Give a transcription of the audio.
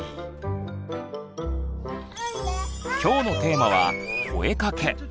きょうのテーマは「声かけ」。